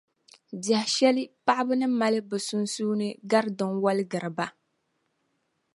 Biɛhi shɛli paɣaba ni mali bɛ sunsuuni gari din waligiri ba.